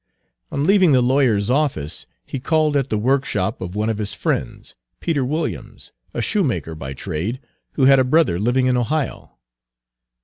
On leaving the lawyer's office, he called at the workshop of one of his friends, Peter Williams, a shoemaker by trade, who had a brother living in Ohio.